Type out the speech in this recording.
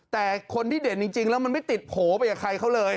แต่คนที่เด่นจริงแล้วมันไม่ติดโผล่ไปกับใครเขาเลย